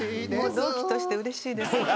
うれしいです。